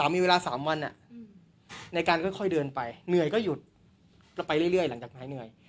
มีเวลา๓วันในการค่อยเดินไปเหนื่อยก็หยุดไปเรื่อยหลังจากหายเหนื่อย